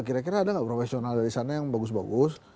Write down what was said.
kira kira ada nggak profesional dari sana yang bagus bagus